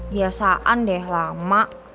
biasaan deh lama